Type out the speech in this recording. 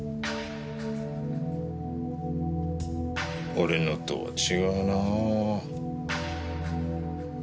俺のとは違うなあ。